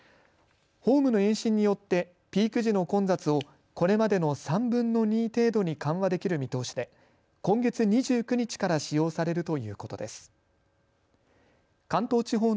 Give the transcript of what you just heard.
ホームの延伸によってピーク時の混雑をこれまでの３分の２程度に緩和できる見通しで今月２９日から使用されるということです。